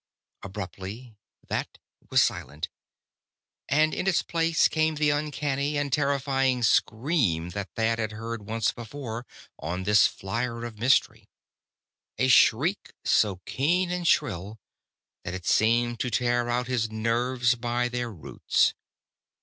Abruptly that was silent, and in its place came the uncanny and terrifying scream that Thad had heard once before, on this flier of mystery. A shriek so keen and shrill that it seemed to tear out his nerves by their roots.